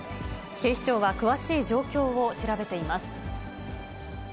警視庁は詳しい状況を調べています。